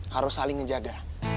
harus saling menjaga